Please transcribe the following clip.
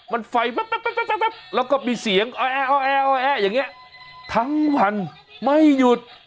มันไฟแล้วก็มีเสียงแออย่างนี้ทั้งวันไม่หยุด